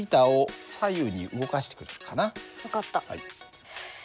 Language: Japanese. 分かった。